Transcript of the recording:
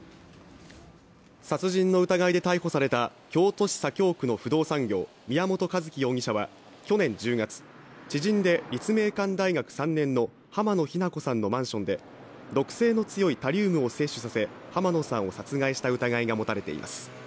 殺人の疑いで逮捕された京都市左京区の不動産業宮本一希容疑者は去年１０月、知人で立命館大学３年の濱野日菜子さんのマンションで毒性の強いタリウムを摂取させ濱野さんを殺害したうたがいが持たれています。